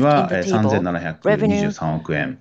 available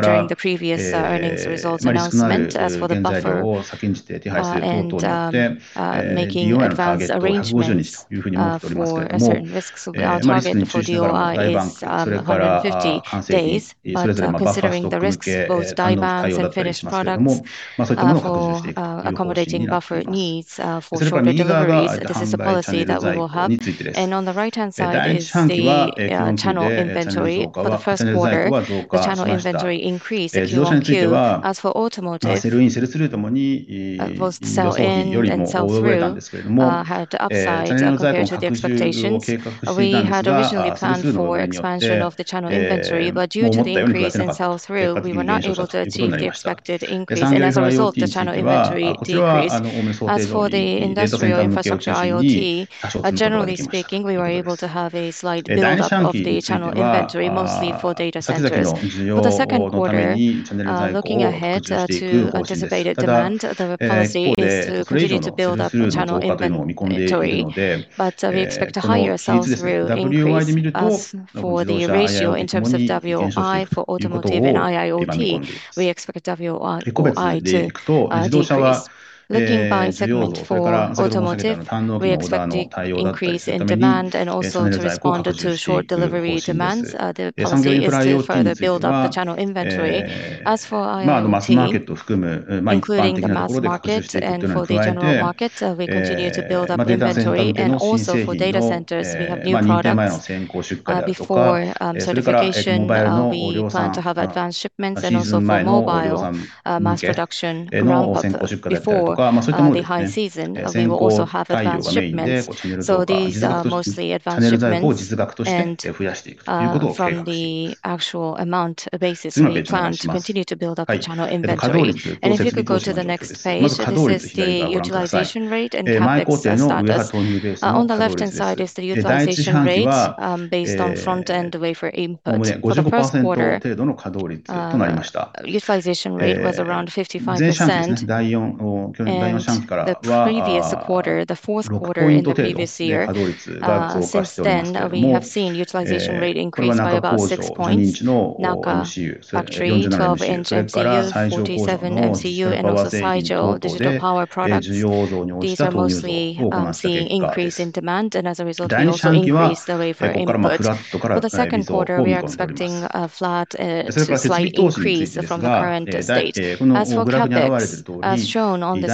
during the call. Please click the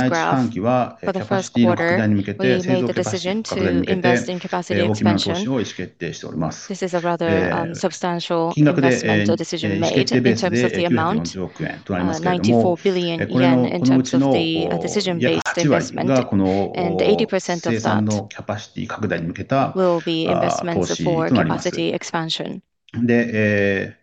interpretation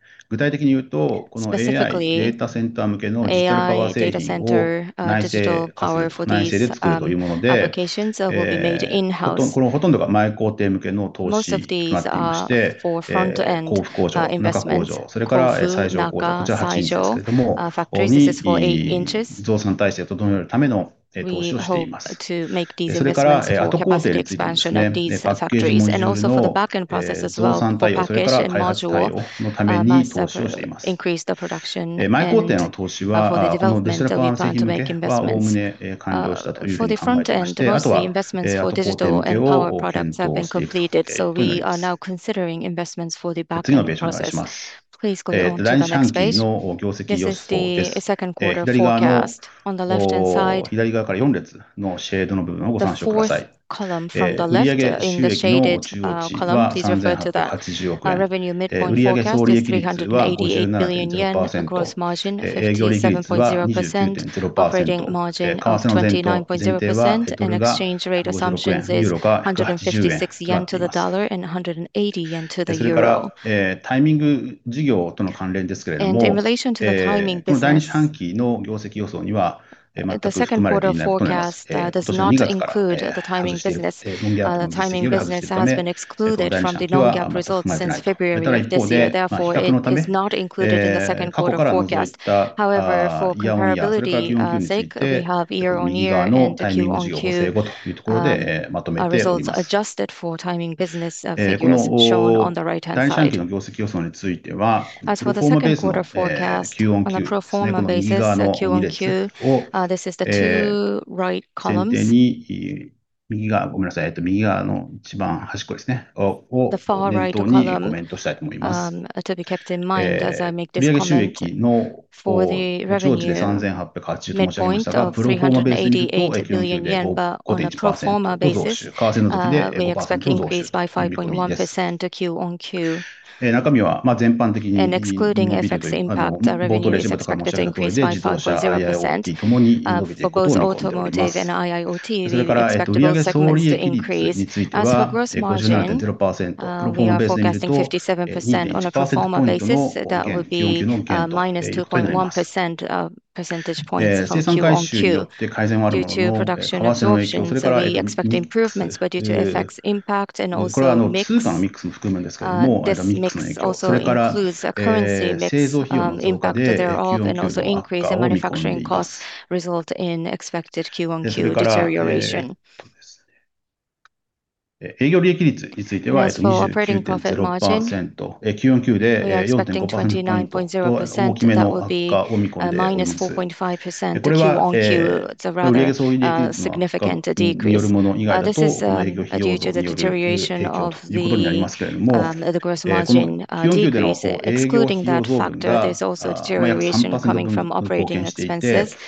icon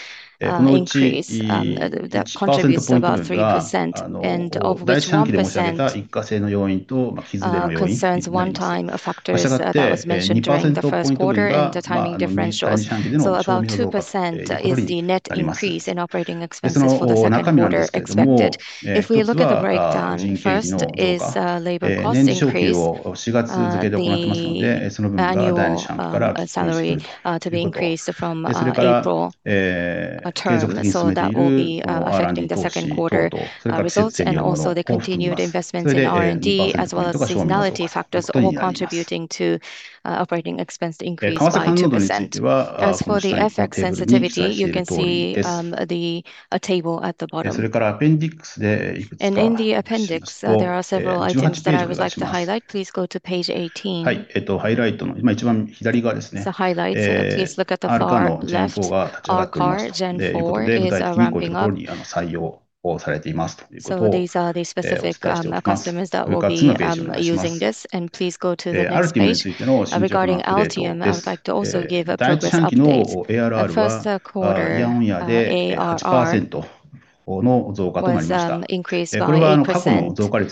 at the bottom of the screen and select a language. At this time, speakers are asked to turn the video on. Joining me on the call today are Hidetoshi Shibata, Representative Executive Officer, President and CEO, Shuhei Shinkai, Senior Vice President and CFO, and some members of the staff. After initial remarks by Mr. Shibata, the first quarter results will be presented by Mr. Shinkai, which will be followed by Q&A session. The earnings call is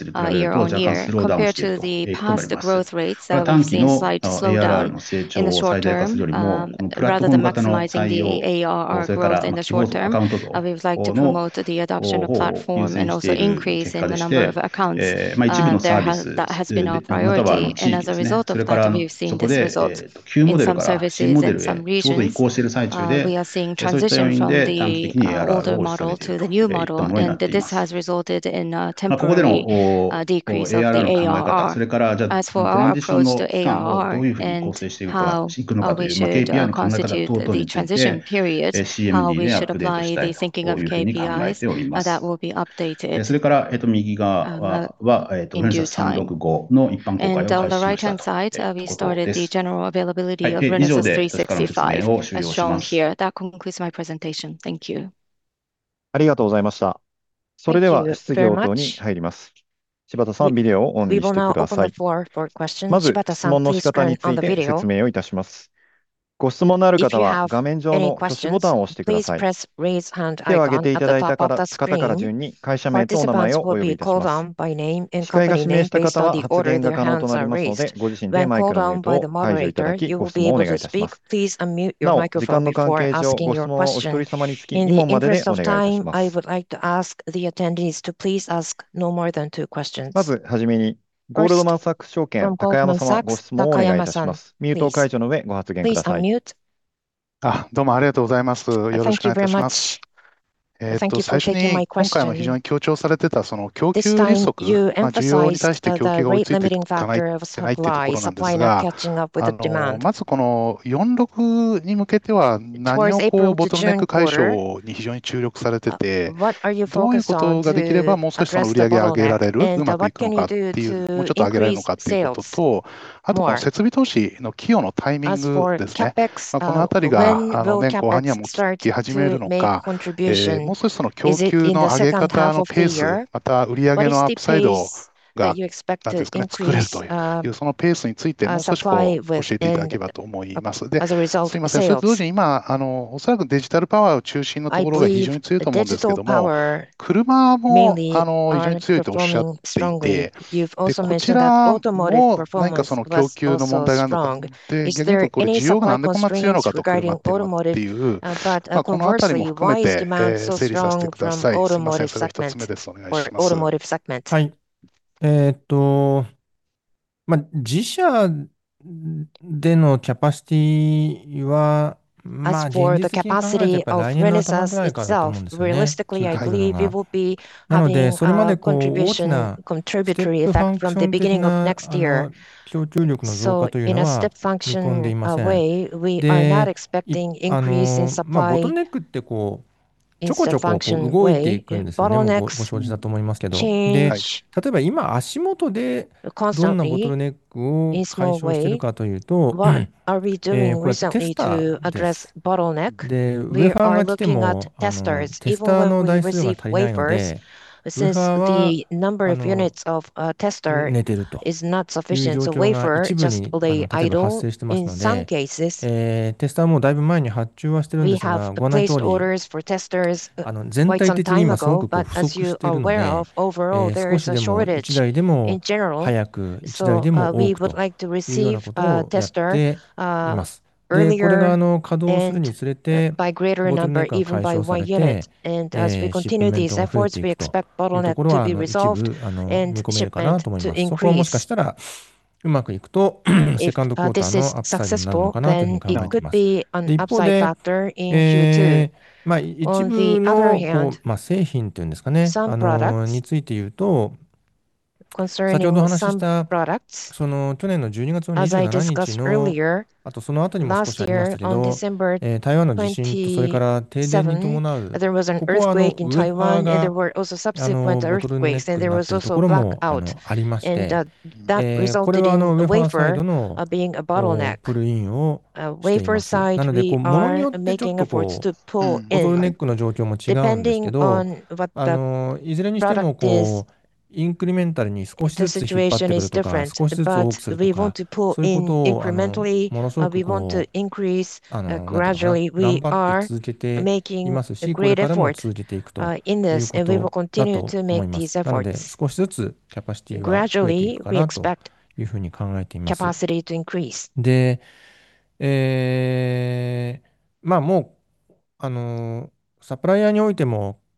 expected to last for 60 minutes. The materials that will be presented are the same as those posted on the IR page of the company's website. Shibata-san, please turn on the microphone. The floor is yours. 皆さんおはようございます。柴田です。今回の決算は、Timing Businessを基軸にディベストを通じたパートナーシップをすることを決めた影響で、少し数字が見づらくなっているかなと思います。ですので、後ほど新海の方で、できる限り正確にご理解いただけるように、かつ、apples-to-applesで比べていただけるように、できる限り丁寧にお話をしようかなと思います。その前提で申し上げると、1st quarter、数字は良かったなというふうに受け止めています。全般的に、前回にガイドを差し上げたよりも、全体的に強かったというふうに思います。その結果として、これから少しデマンドが強くなっていく見通しなので、チャネル在庫を拡充していこうと思ったのですが、少しだけしか拡充できませんでした。2nd quarter以降、ちょっとチャネル積んでいかないとまずいなというふうに考えています。オートモーティブも想定よりもだいぶ強かったです。まだ小さいですけど、Generation 4、SoCですね。R-Car、非常に順調に立ち上がってきていますし、その一方で、前世代のR-Carも、ライセンスも今まで非常に堅調に伸びてきていまして、自動車は強かったなというふうに感じています。自動車以外のところについては、主要な柱は別になくても、データセンターのAIだとは思いますが、データセンターのAIも、それからクライアントサイドのAIも、非常に強く伸びています。昨年年末に、ちょっと大きめの地震が台湾であったのを記憶の方もいらっしゃると思いますが、私たちのパートナーもその影響を受けていまして、元々かなりタイトだったところに地震が来てしまったものですから、実はまだ需要に追いついていない部分がありまして、2nd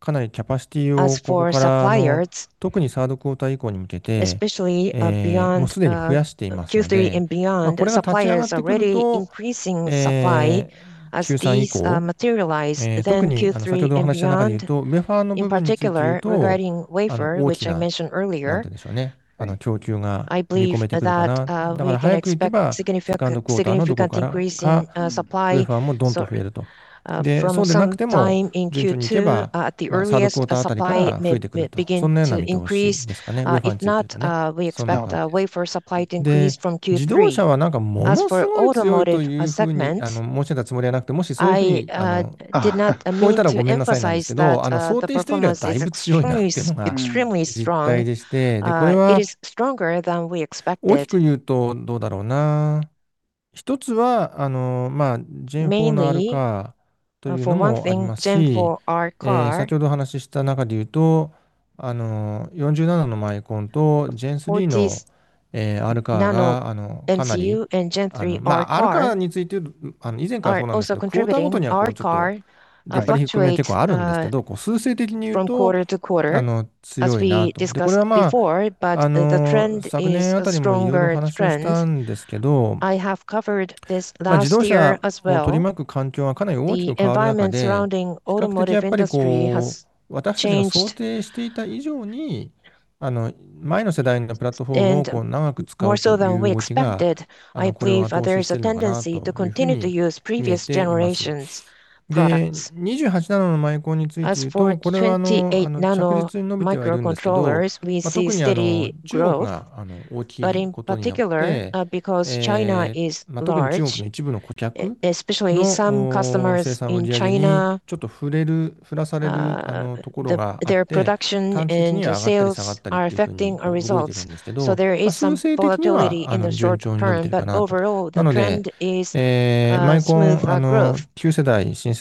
Next slide, please. Page 3. ディスクレームですけれども、今年の2月5日に事業譲渡、Timing Businessと発表したタイミングの事業についてですけれども、これはアナウンスメント以降の、要は2月分以降について、このリポーティングのNon-GAAPの数字から除外しています。したがって、第1四半期のNon-GAAPの数字は、1月分のみを含むということになっていて、2月以降の分に関しては、apples-to-applesタイミング事業が含まれていないというベースになっています。ただ、apples-to-applesとapples-to-applesで比較するという観点で、最初からなかったとするとどうかという数字も載せていますので、比較の観点ではそちらをベースにお話ししたいと思っています。決算の概要についてですが、第1四半期のNon-GAAPの実績について、表の左側1列のシェーディング列をご参照ください。売上収益は3,723億円。売上総利益率は59.2%。営業利益が1,244億円、率で33.7%。EPSが1,482億円。当期利益が1,024億円。為替はドルが166円、ユーロが183円でした。タイミングの事業なんですけれども、まず、前回の決算発表、2月5日に公表した予想値には、タイミング事業の分が1〜3月の3か月分折り込まれておりました。一方で、実績では1月の1か月分のみを計上しています。したがって、apples-to-applesとapples-to-applesで比較するという観点では、予想値と実績の両方からタイミング事業の影響を除いた方がわかりやすかろうと考えまして、このPro formaベースの数字を用意しています。それが、この右側の3列に記載しております、「タイミング事業補正後」とありますけれども、すべてタイミング事業がなかったと仮定すると、予想と実績すべてにおいて除した場合ということです。このシェーディングの部分がPro formaの実績でして、売上収益で3,691億円、予想比プラス1,000億円。売上総利益が59.2%で、予想比1.1ポイント。営業利益が1,037億円、率で33.5%、予想比でプラス2.5%ポイントということになります。予想比について、このPro formaベースでの数字をベースに、次のページでお話ししたいと思います。第1四半期の売上収益、売上総利益率、営業利益率についてです。こちらはPro それから右側のセグメント別ですが、自動車については特に注視していくことはないかと思います。Industrial Infrastructure IoTについては、右下を見ていただくと、営業利益率というところでQonQで9%ポイントほど改善しております。これは営業費用、OPEXの是正、それから前年同期からのファクターの反動、それから売上がQonQ 11%増えておりますけれども、それによるオペレーティングレバレッジということで、主に3つの要因で構成されているということになります。次のページお願いします。売上収益について四半期ごと並べたものです。こちらはNon-GAAPの数字となっておりまして、第1四半期は2月分までTiming Businessも含んでいる数字となっております。前者、それからセグメント別、より詳細なQonQは右側の数字を参照してください。次のページお願いします。在庫についてです。左側は実在庫、オート在庫についてです。第2四半期はQonQで在庫の実額、それからDOIともに増勢増となりました。第3四半期はフラットから増加を見込んでいます。一方でDOIは売上増、規模増による減少を見込んでいます。前回の決算発表でもお話したとおり、バッファストックですとか、それから生まれる原材料を先んじて手配することによって、DOIのターゲットを150日というふうに見ておりますけれども、特に注視するダイバンス、それから完成品、それぞれバッファストック系の対応だったりしますけれども、そういったものを検討していくという方針になっております。それから右側が販売される在庫についてです。第2四半期はQonQでチャネル在庫は増加しました。自動車については、sell-in、sell-throughともに予想よりも上回ったんですけれども、チャネル在庫の拡充を計画していたんですが、売上増によって思うように増せなかった、結果留まっていた、そういうことになりました。産業用IoTについては、こちらは主に想定通り、データセンター向けを中心に多少増えることになりました。第3四半期については、各社の需要のためにチャネル在庫を構築していく方針です。ただ一方で、引き続きの売上増加というのを見込んでいるので、この比率です。WOIで見ると、自動車、IIoTともに減少していくということを手掛けております。結果別で見ていくと、自動車は需要、それから先ほど申し上げたスタンドオフのオーダーの対応だったりするために、チャネル在庫を確保していく方針です。産業用IoTについては、マスマーケットを含む一般的なところで構築していくということに加えて、データセンターでの新製品の認可前の先行出荷であったりとか、それからモバイルのオーディオサンとかシーズン前のオーディオサン向けへの先行出荷であったりとか、そういったものですね。先行対応がメインで、チャネル在庫を実額として増やしていくということを計画しています。次のページお願いします。稼働率、構成比についてです。まず稼働率、左側をご覧ください。毎工程の上端投入ベースの稼働率です。第2四半期は、55%程度の稼働率となりました。前四半期ですね、去年の第4四半期からは6ポイント程度稼働率が増加しております。これは那珂工場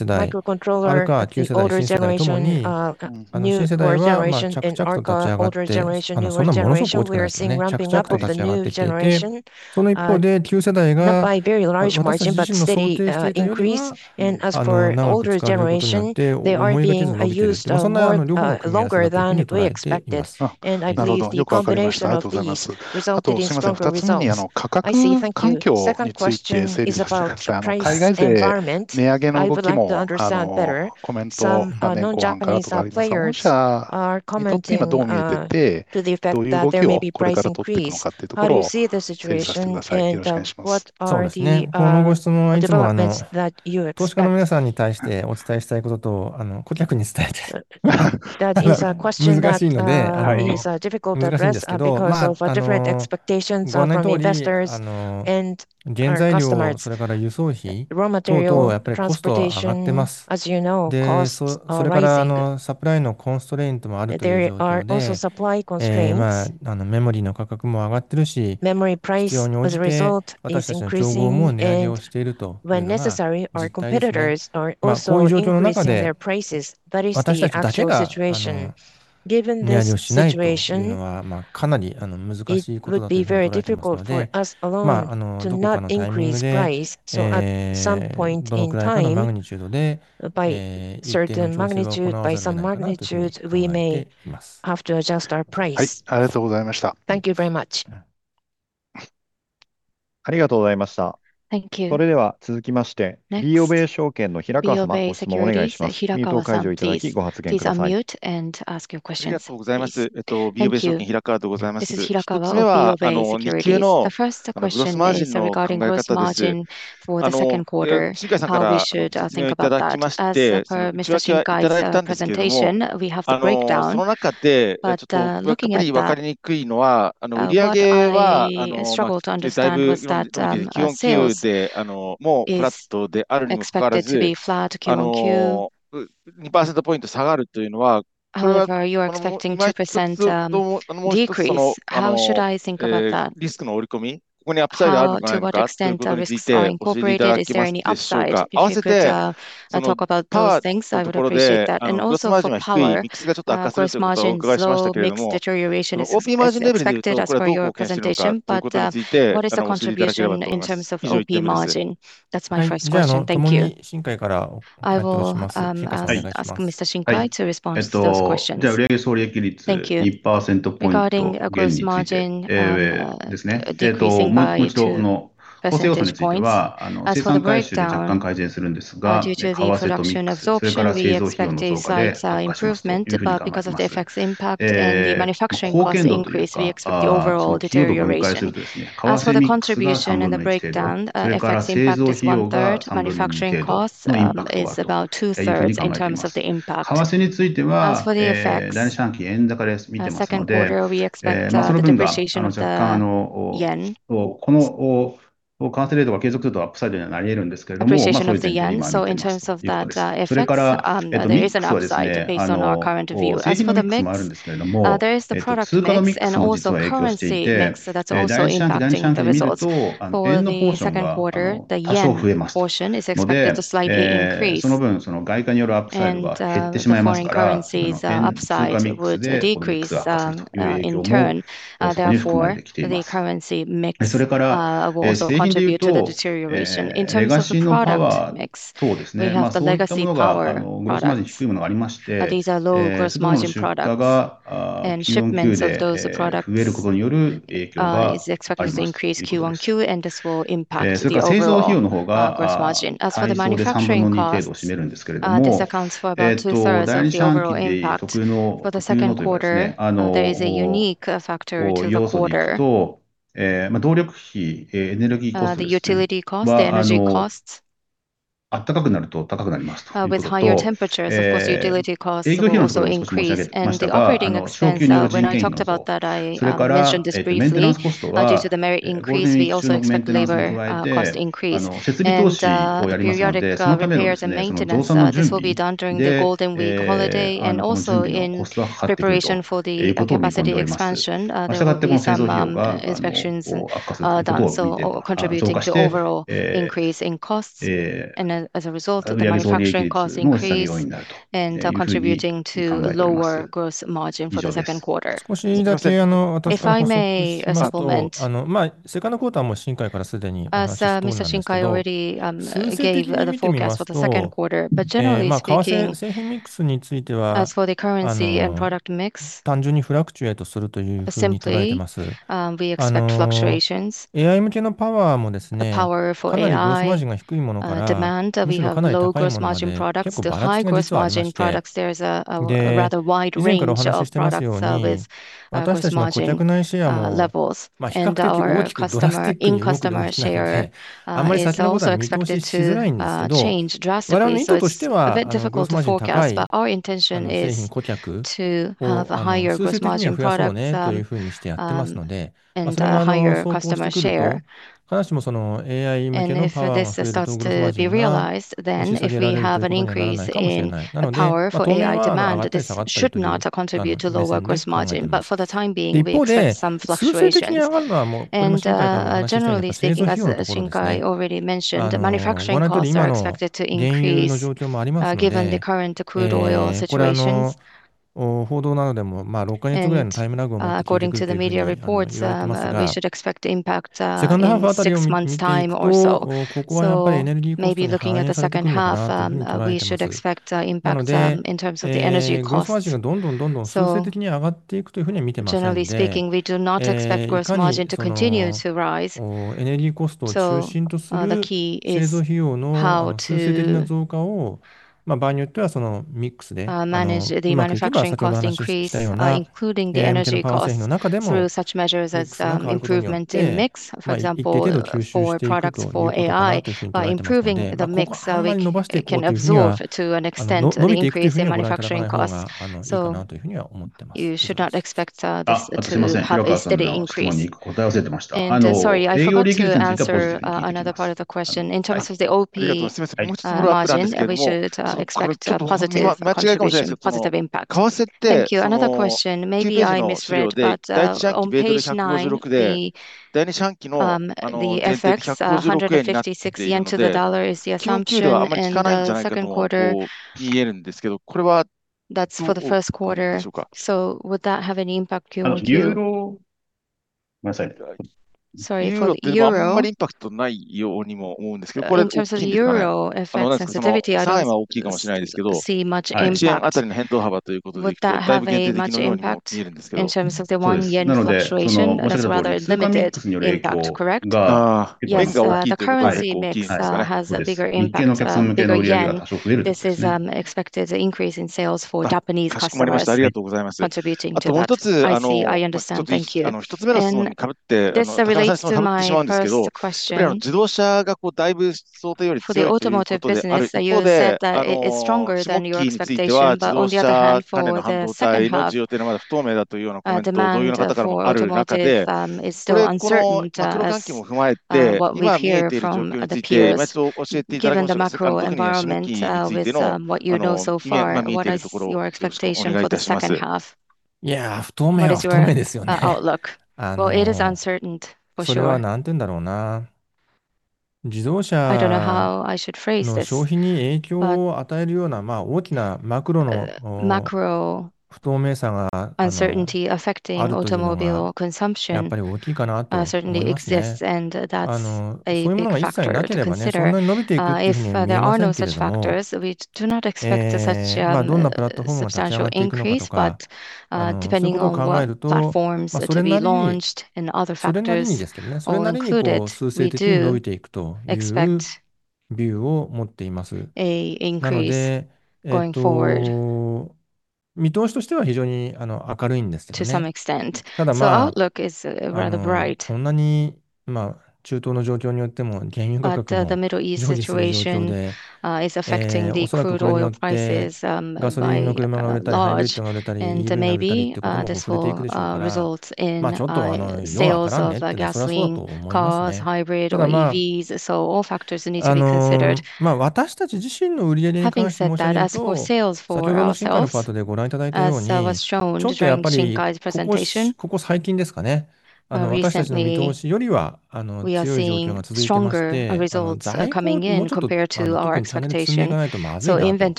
Business事業との関連ですけれども、この第3四半期の業績予想には全く含まれていないことになります。今年2月から開始しているNon-GAAPの事業開始に伴い、第3四半期はまだ含まれていない。ただ一方で、比較のため、後から追加したYear on Year、それからQonQについて右側のTiming Business補整後というところでまとめております。第3四半期の業績予想については、Pro formaベースのQonQですね、この右側の2列、これを右側の一番端っこを念頭にコメントしたいと思います。売上収益の四半期で3,880億円と申し上げましたが、Pro formaベースでいうと、四半期で5.1%増と、パーセントの単位で5.1%の増収を見込んでいます。中身は全般的に伸びており、冒頭で申し上げた通りで、自動車、IIoTともに伸びていくことになっています。それから、売上総利益については12.0%、Pro formaベースでいうと2.1ポイントの四半期での減となります。生産管理によって改善があるものの、為替の影響、それからミックス、これは通貨のミックスも含めるのですが、ミックスの影響、それから製造費の増加で、四半期での悪化を見込んでいます。それから、営業利益率については29.0%、QonQで4.5ポイントの大きめの悪化を見込んでおります。これは売上総利益によるもの以外だと、売上費用による低下ということになりますけれども、この四半期での営業費用の方がおよそ3%の部分貢献していて、このうち1ポイント分が、第1四半期で申し上げた一過性の要因と季節の要因になります。したがって、2%ポイント分が、今期、第2四半期での損失の悪化ということにあります。その中身なんですけれども、1つは人員経費の増加。年次昇給を4月付で行っていますので、その分が第2四半期から反映すると。それから、継続的に進めているR&D投資等々、それから季節によるものを考慮します。それで2%ポイントが損失の増加ということになります。感触度については、ご指摘のテーブルに示している通りです。それからAppendixでいくつか注釈をいたします。18ページからいきます。ハイライトの今一番左側ですね。R-Car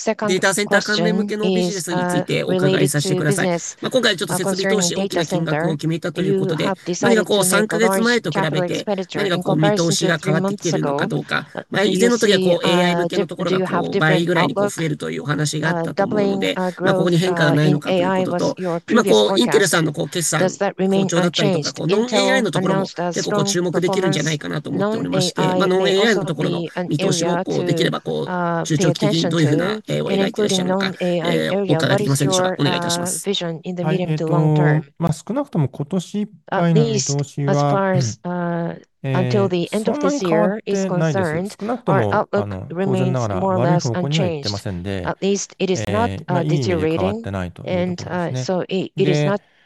新海さん、please。増産投資全体が8割なので、¥760億ぐらいが増産投資でして、約半分が米沢工場。それから2割強が那珂工場。それから15%ほどが西条工場。残りが後工程です。わかりました。ありがとうございます。以上でまいります。はい。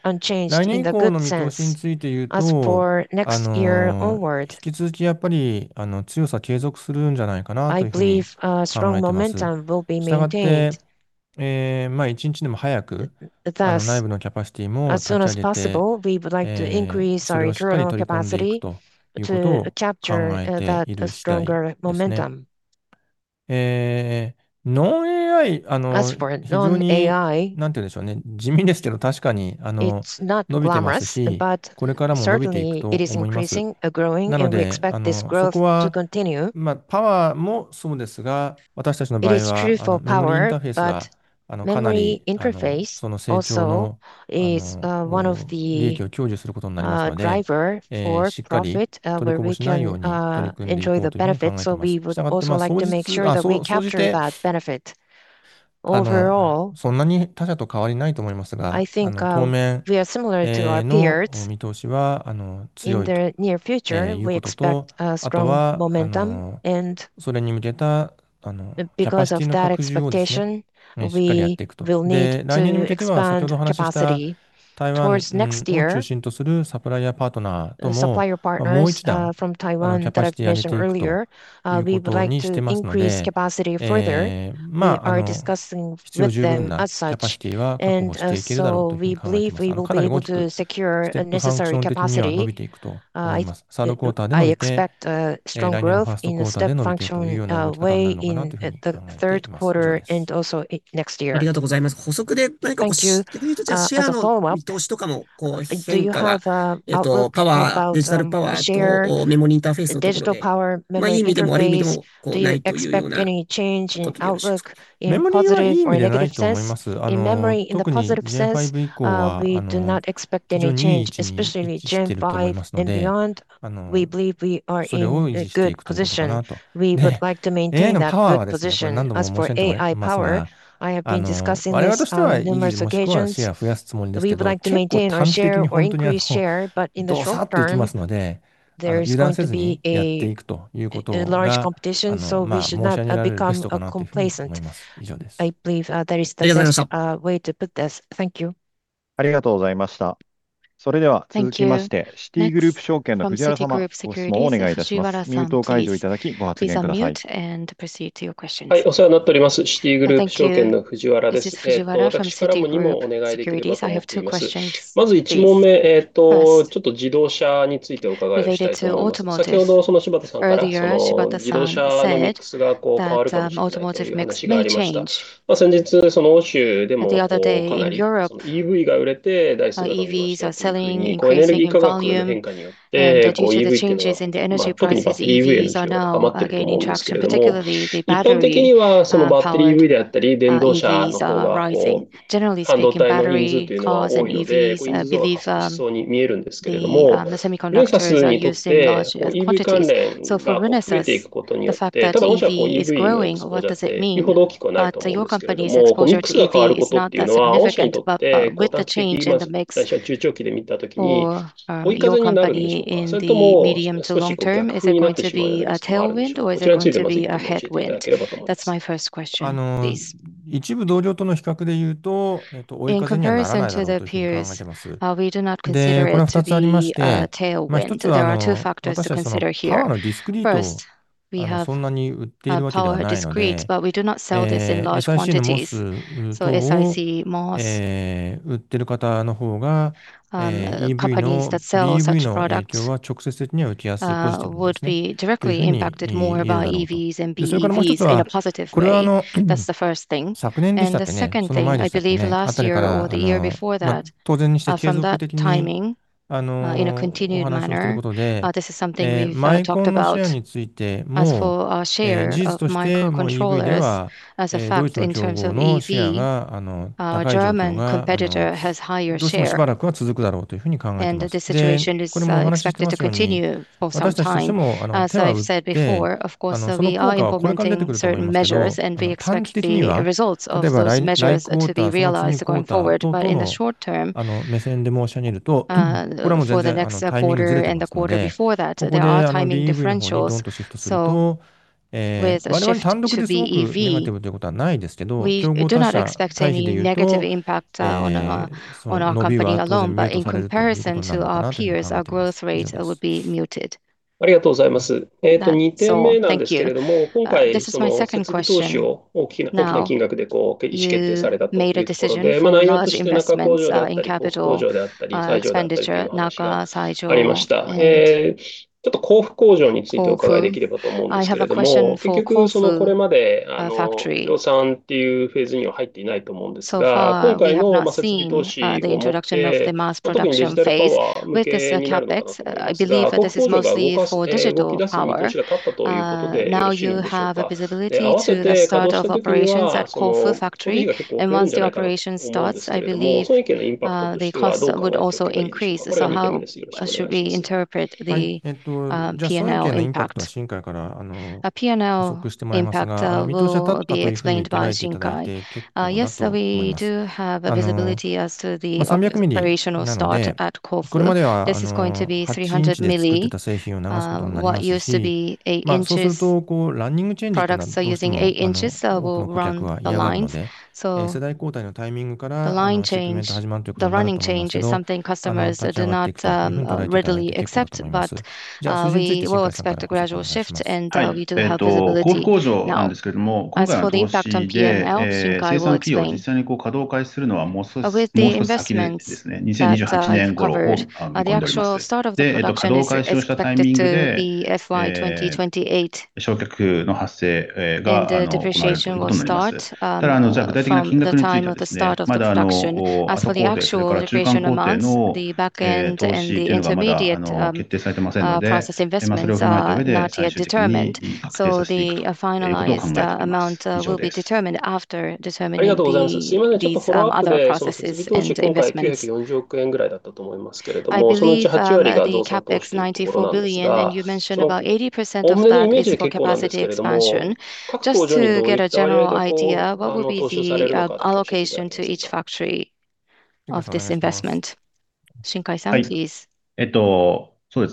I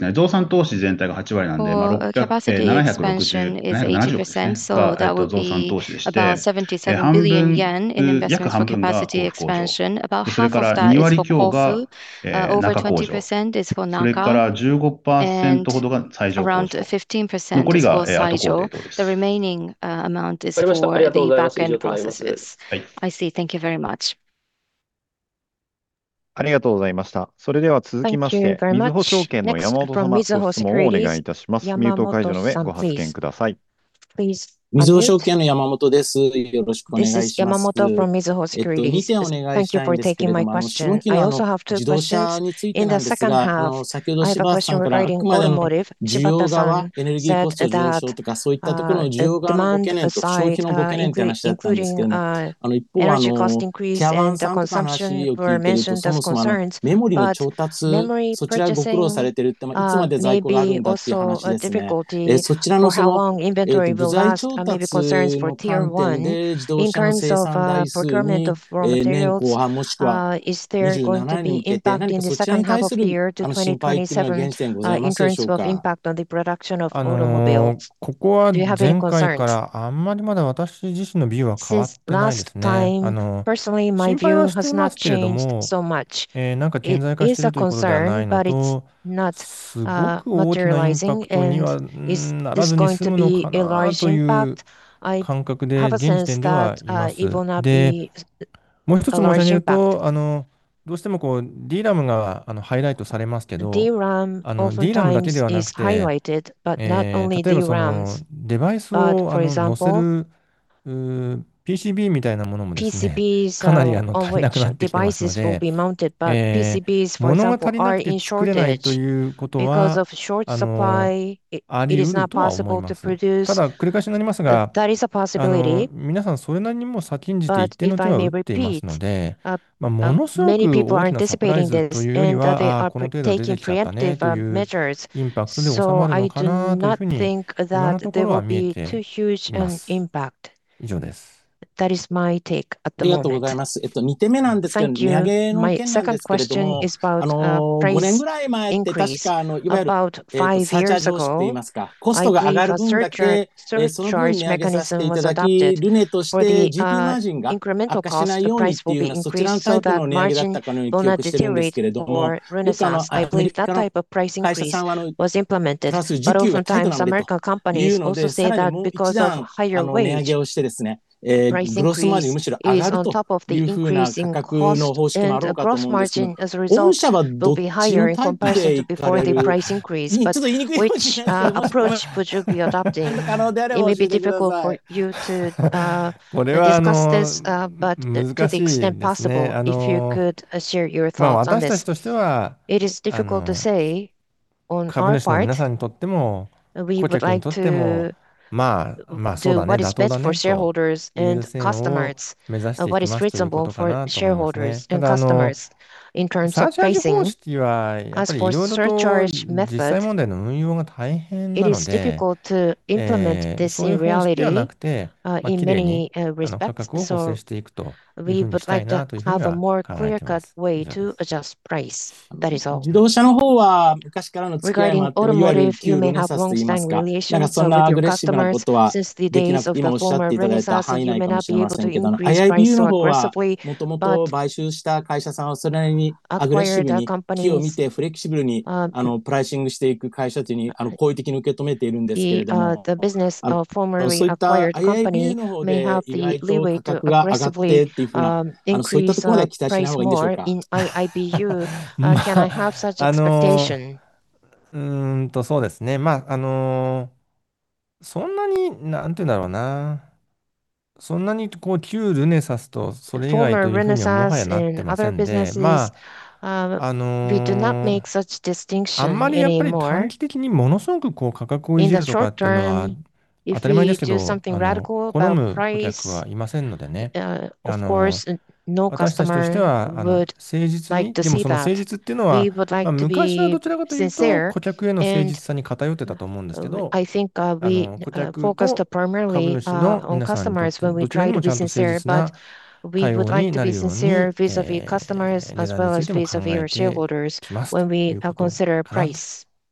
see. Thank you very much. ありがとうございます。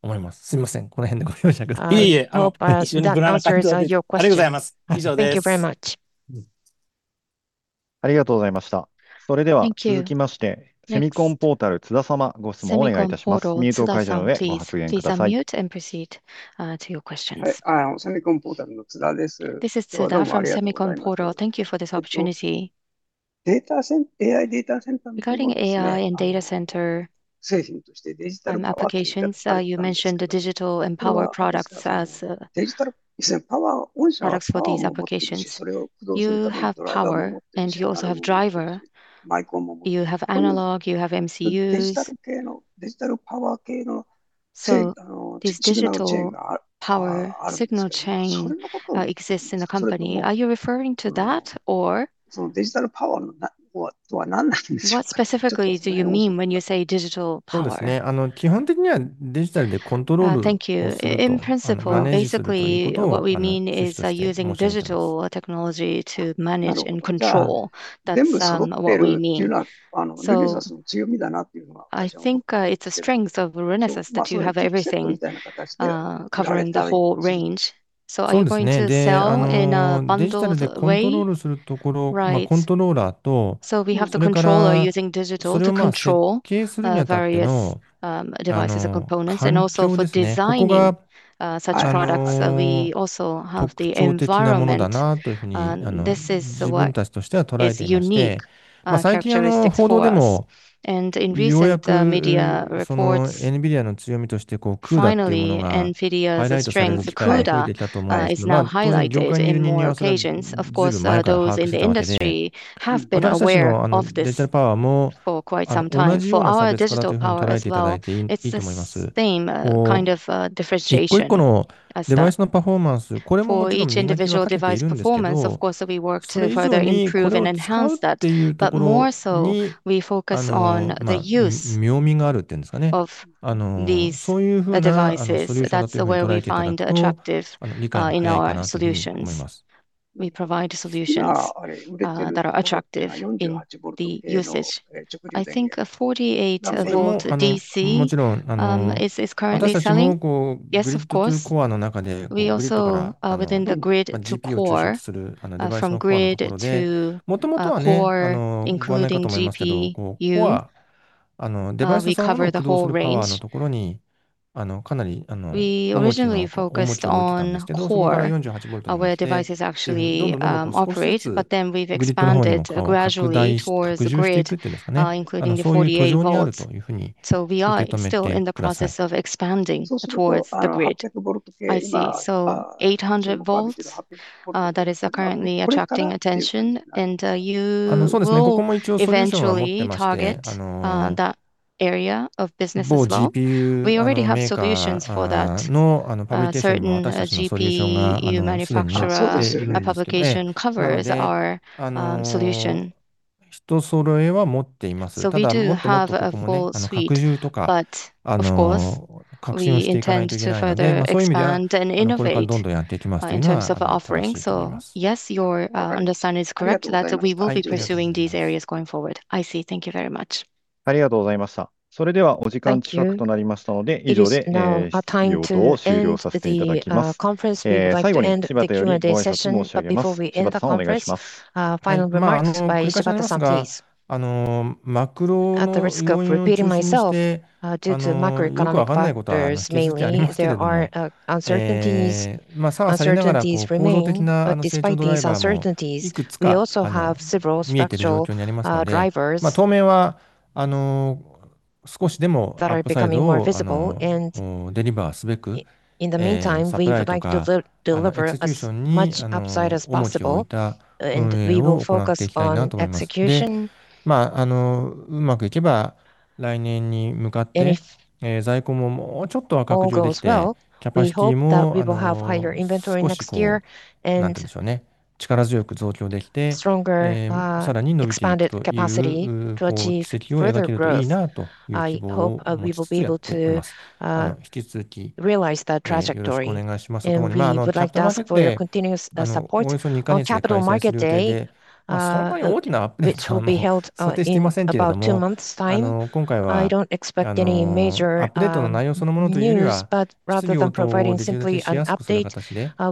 Thank you for this opportunity. Regarding AI and data center applications, you mentioned the digital and power products as products for these applications. You have power and you also have driver. You have analog, you have MCUs. This digital power signal chain exists in the company. Are you referring to that or what specifically do you mean when you say digital power? そうですね、基本的にはデジタルでコントロール。Thank you. In principle, basically what we mean is using digital technology to manage and control. That's what we mean. I think it's a strength of Renesas that you have everything covering the whole range. そうですね。デジタルでコントロールするところ、コントローラーと、それからそれを設計するにあたっての環境、ここが特徴的なものだなというふうに自分たちとしては捉えていまして。最近の報道でも、ようやくNVIDIAの強みとしてCUDAっていうものがハイライトされる機会が増えてきたと思いますけど、この業界にいるには、随分前から把握していたわけで。私たちのデジタルパワーも同じような差別化力を捉えていただいていいと思います。一個一個のデバイスのパフォーマンス、これももちろん目指してはいるんですけど、それ以上に「これを使う」っていうところに妙味があるっていうんですかね。そういうふうなソリューションとして捉えていただくと理解しやすいかなというふうに思います。We provide solutions that are attractive in the usage. I think 48V DC is currently selling. Yes, of course. We also, within the Grid to Core, from Grid to Core, including GPU. We cover the whole range. We originally focused on core, where devices actually operate. We've expanded gradually towards the grid, including the 48V. We are still in the process of expanding towards the grid. I see. 800V, that is currently attracting attention. You will eventually target that area of business as well. We already have solutions for that. Certain GPU manufacturer publication covers our solution. We do have a full suite, but of course, we intend to further expand and innovate in terms of offerings. Yes, your understanding is correct that we will be pursuing these areas going forward. I see. Thank you very much. 難しくないですが、マクロ要因を中心にして、よくわからないことは間違いありませんけども、差はありながら構造的な成長ドライバーもいくつか見えている状況になりますので、当面は少しでもアップサイドをデリバーすべく、サテライトかエクセキューションに重きを置いた運営を行っていきたいなと思います。うまくいけば、来年に向かって在庫ももう少しは削減できて、キャパシティも力強く増強できて、さらに伸びていくという軌跡を描けるといいなという希望を持ちつつやっていきます。引き続きよろしくお願いします。それで、Capital Market Day、おおよそ2ヶ月に開催する予定で、そこまで大きなアップデートはもう想定していませんけども、今回はアップデートの内容そのものというよりは、質問提供を充実しやすくする形で、皆さんのご理解に資するイベントにしていこうかなと思いますので、どうぞよろしくお願いします。それでは、長々とお付き合いいただき、ありがとうございました。以上をもちまして、ルネサスエレクトロニクス2026年度第1四半期決算説明会を終了します。本日はご参加いただき、誠にありがとうございました。With that,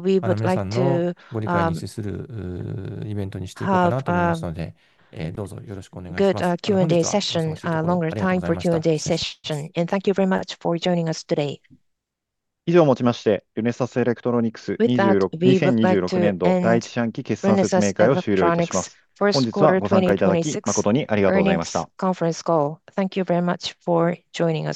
we would like to end Renesas Electronics first quarter 2026 earnings conference call. Thank you very much for joining us.